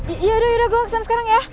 yaudah yaudah gue langsung kesana sekarang ya